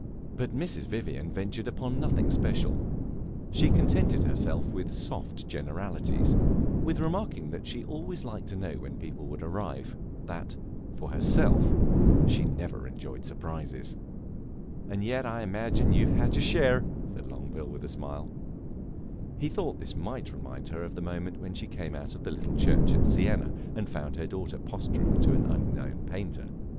But Mrs. Vivian ventured upon nothing special; she contented herself with soft generalities with remarking that she always liked to know when people would arrive; that, for herself, she never enjoyed surprises. "And yet I imagine you have had your share," said Longueville, with a smile. He thought this might remind her of the moment when she came out of the little church at Siena and found her daughter posturing to an unknown painter.